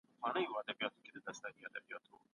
ولي جبري ځان وژنه پېښيږي؟